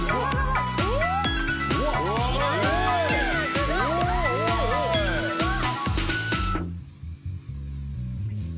すごい！わあ、すごい！